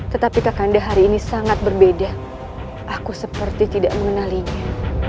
tetapi kakak anda hari ini sangat berbeda aku seperti tidak mengenalinya